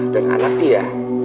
dan anak dia